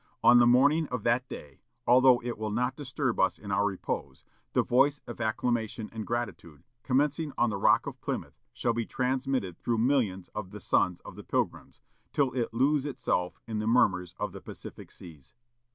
On the morning of that day, although it will not disturb us in our repose, the voice of acclamation and gratitude, commencing on the Rock of Plymouth, shall be transmitted through millions of the sons of the Pilgrims, till it lose itself in the murmurs of the Pacific seas."